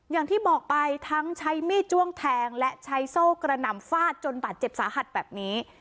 อย่างที่บอกไปทั้งใช้มีดจ้วงแทงและใช้โซ่กระหน่ำฟาดจนบาดเจ็บสาหัสแบบนี้